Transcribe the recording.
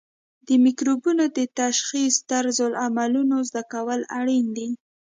د مکروبونو د تشخیص طرزالعملونه زده کول اړین دي.